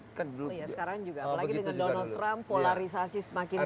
sekarang juga apalagi dengan donald trump polarisasi semakin tajam